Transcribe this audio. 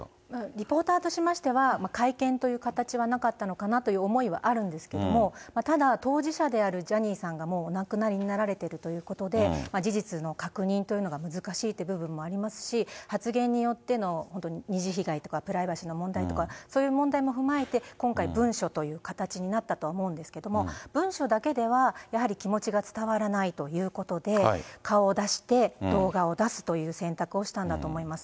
リポーターといたしましては、会見という形はなかったのかなという思いはあるんですけども、ただ、当事者であるジャニーさんがもうお亡くなりになられているということで、事実の確認というのが難しいという部分もありますし、発言によっての本当に二次被害とか、プライバシーの問題とか、そういう問題も踏まえて、今回、文書という形になったとは思うんですけども、文書だけでは、やはり気持ちが伝わらないということで、顔を出して、動画を出すという選択をしたんだと思います。